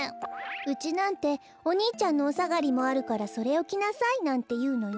うちなんてお兄ちゃんのおさがりもあるからそれをきなさいなんていうのよ。